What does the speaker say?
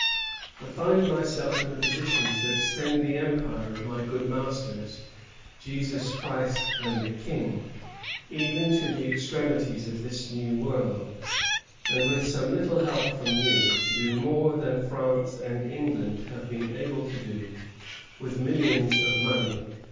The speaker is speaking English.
I find myself in a position to extend the empire of my good masters, Jesus Christ and the King, even to the extremities of this new world; and, with some little help from you, to do more than France and England have been able to do with millions of money and all their troops."